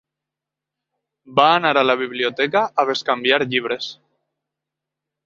Va anar a la biblioteca a bescanviar llibres.